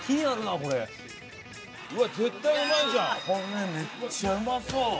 これめっちゃうまそう！